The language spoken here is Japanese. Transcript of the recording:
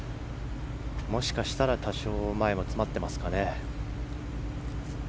もしかしたら多少、前が詰まっていますかね。